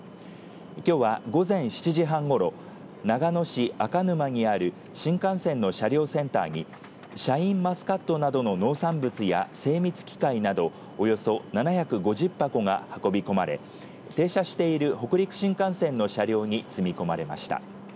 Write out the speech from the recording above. きょうは午前７時半ごろ長野市赤沼にある新幹線の車両センターにシャインマスカットなどの農産物や精密機械などおよそ７５０箱が運び込まれ停車している北陸新幹線の車両に積み込まれました。